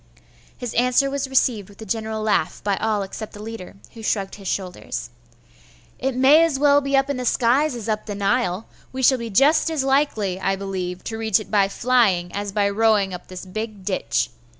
His answer was received with a general laugh by all except the leader, who shrugged his shoulders. 'It may as well be up in the skies as up the Nile. We shall be just as likely, I believe, to reach it by flying, as by rowing up this big ditch.